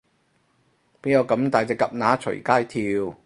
邊有噉大隻蛤乸隨街跳